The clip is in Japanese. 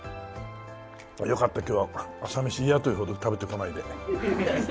よかった今日は朝飯嫌というほど食べてこないで。